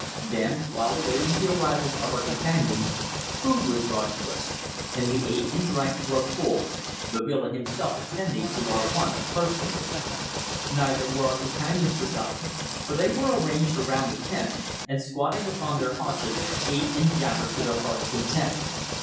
Then, while awaiting the arrival of our companions, food was brought to us, and we ate and drank to our full, Babila himself attending to our wants personally. Neither were our companions forgotten, for they were arranged around the tent, and squatting upon their haunches ate and jabbered to their hearts' content.